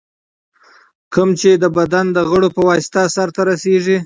کوم چي د بدن د غړو په واسطه سرته رسېږي.